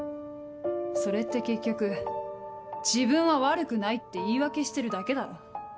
それって結局自分は悪くないって言い訳してるだけだろ。